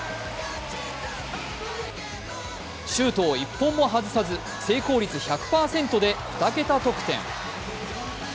シュートを１本も外さず、成功率１００％で２桁得点。